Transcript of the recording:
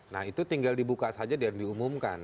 nah itu tinggal dibuka saja dan diumumkan